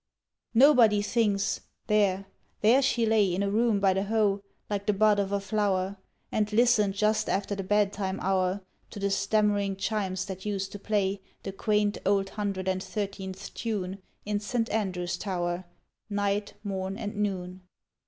Nobody thinks: There, there she lay In a room by the Hoe, like the bud of a flower, And listened, just after the bedtime hour, To the stammering chimes that used to play The quaint Old Hundred and Thirteenth tune In Saint Andrew's tower Night, morn, and noon.